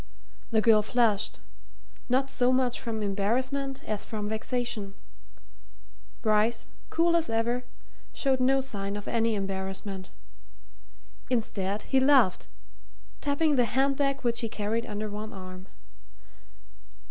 The girl flushed, not so much from embarrassment as from vexation; Bryce, cool as ever, showed no sign of any embarrassment. Instead, he laughed, tapping the hand bag which he carried under one arm.